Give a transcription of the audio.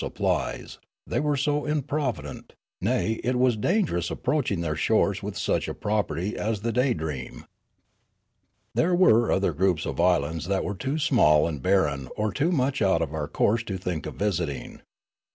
supplies, they were so im provident ; nay, it was dangerous approaching their shores with such a property as the Daydream. " There were other groups of islands that were too small and barren or too much out of our course to think of visiting.